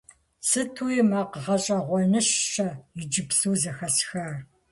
Сытуи макъ гъэщӀэгъуэныщэ иджыпсту зэхэсхар!